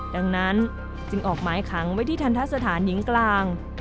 ดังนั้นจึงออกหมายขังไว้ที่ทันทะสถานหญิงกลาง